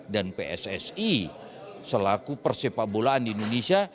dan pssi selaku persipat bolaan di indonesia